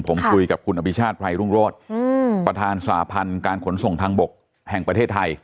ผมคุยกับคุณอภิชาติไพรรุ่งโรธประธานสาพันธ์การขนส่งทางบกแห่งประเทศไทย